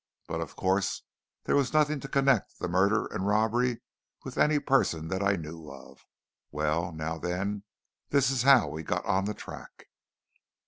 But, of course, there was nothing to connect the murder and robbery with any person that I knew of. Well, now then, this is how we got on the track.